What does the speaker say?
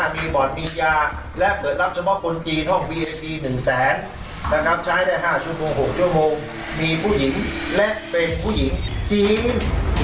มีผู้หญิงและเป็นผู้หญิงจีน